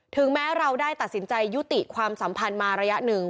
แม้เราได้ตัดสินใจยุติความสัมพันธ์มาระยะหนึ่ง